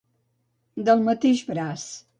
Del mateix braç.